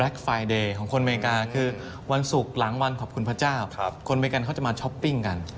ไฟล์เดย์ของคนอเมริกาคือวันศุกร์หลังวันขอบคุณพระเจ้าคนอเมริกันเขาจะมาช้อปปิ้งกัน